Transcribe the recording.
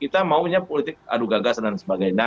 kita maunya politik aduk agas dan sebagainya